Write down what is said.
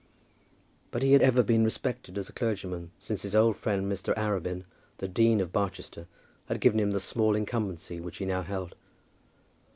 But he had ever been respected as a clergyman, since his old friend Mr. Arabin, the dean of Barchester, had given him the small incumbency which he now held.